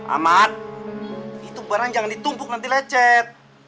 aman itu barang jangan ditumpuk nanti lecet